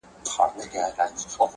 • زې منمه ته صاحب د کُل اختیار یې..